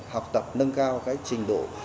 học tập nâng cao cái trình độ